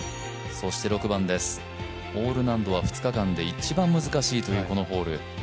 そして６番です、ホール難度は２日間で一番難しいというこのホール。